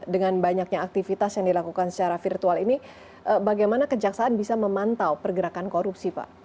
dengan banyaknya aktivitas yang dilakukan secara virtual ini bagaimana kejaksaan bisa memantau pergerakan korupsi pak